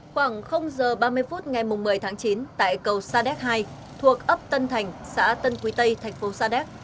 khoảng giờ ba mươi phút ngày một mươi tháng chín tại cầu sa đéc hai thuộc ấp tân thành xã tân quý tây thành phố sa đéc